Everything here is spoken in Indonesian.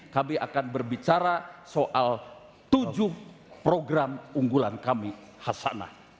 kami akan berbicara soal tujuh program unggulan kami hasanah